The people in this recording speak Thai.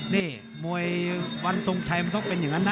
นี่มวยวันทรงชัยมันต้องเป็นอย่างนั้นนะ